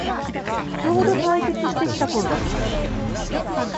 ちょうど退屈してきた頃だった